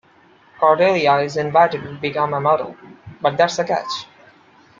Cordelia is invited to become a model, but there is a catch.